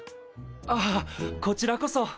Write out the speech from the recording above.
あっこちらこそ。